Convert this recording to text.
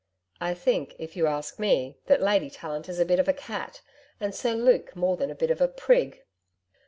'I think, if you ask me, that Lady Tallant is a bit of a cat, and Sir Luke more than a bit of a prig.'